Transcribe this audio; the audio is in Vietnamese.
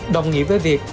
đồng nghĩa với việc